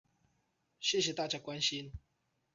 謝謝大家關心